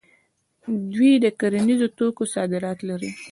دوی د کرنیزو توکو صادرات لري.